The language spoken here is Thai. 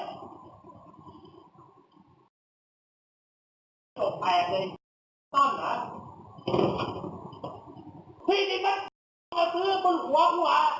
ส่วนทุกคน